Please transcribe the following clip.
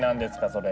それ？